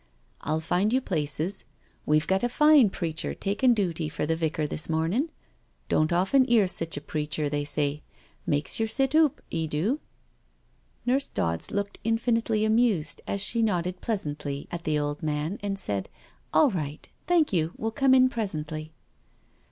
" I'll find you places— we've got a fine preacher takin' dooty for the Vicar this momin' — don't often 'ear sich a preacher, they say— makes yer sit oop — 'e do." Nurse Dodds looked infinitely amused as she nodded pleasantly at the old man and said, " All right, thank you, we'll come in presently."